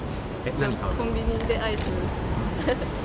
コンビニでアイス。